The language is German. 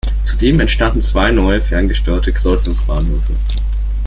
Zudem entstanden zwei neue ferngesteuerte Kreuzungsbahnhöfe.